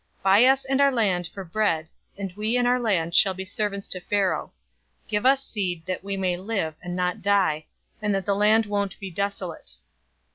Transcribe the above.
Buy us and our land for bread, and we and our land will be servants to Pharaoh. Give us seed, that we may live, and not die, and that the land won't be desolate."